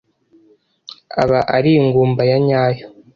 aba ari ingumba yanyayo